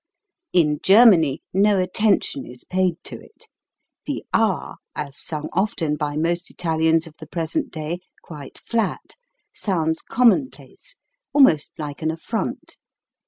In Germany no attention is paid to it. The ah, as sung often by most Italians of the present day, quite flat, sounds THE VOWEL SOUND AH 221 commonplace, almost like an affront.